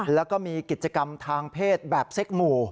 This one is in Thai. แล้วก็มีกิจกรรมทางเพศแบบเซ็กหมู่